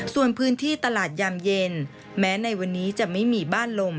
ส่วนพื้นที่ตลาดยามเย็นแม้ในวันนี้จะไม่มีบ้านลม